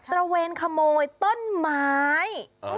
ระเวนขโมยต้นไม้